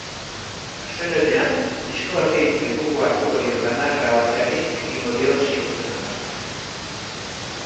Astelehenean disko horri lekukoa hartuko dion lana grabatzeari ekingo dio seikote nafarrak.